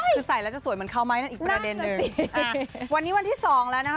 คือใส่แล้วจะสวยเหมือนเขาไหมนั่นอีกประเด็นนึงวันนี้วันที่สองแล้วนะคะ